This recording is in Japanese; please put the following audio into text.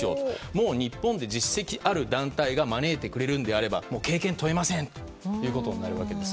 もう日本で実績ある団体が招いてくれるのであれば経験、問いませんとなるわけです。